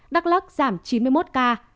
đắk lắc giảm chín mươi một ca